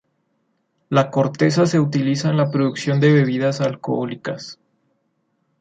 La corteza se utiliza en la producción de bebidas alcohólicas.